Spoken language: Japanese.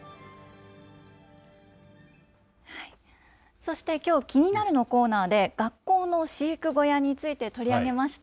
そしてきょう、キニナル！のコーナーで学校の飼育小屋について取り上げました。